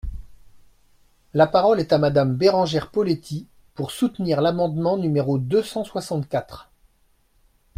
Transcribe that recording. La parole est à Madame Bérengère Poletti, pour soutenir l’amendement numéro deux cent soixante-quatre.